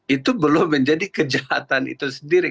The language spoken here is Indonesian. itu belum menjadi kejahatan itu sendiri